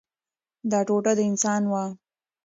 دا ټوټه د انسان وه.